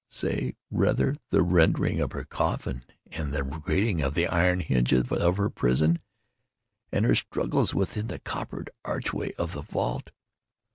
—say, rather, the rending of her coffin, and the grating of the iron hinges of her prison, and her struggles within the coppered archway of the vault!